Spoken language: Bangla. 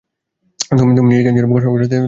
তুমি নিজেকে যেরূপ গঠন করিবে, তুমি তাহাই হইবে।